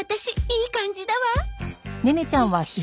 いい感じだわ。